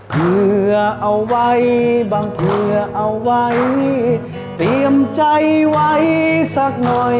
เพื่อเอาให้บรรให้เตรียมใจไว้สักหน่อย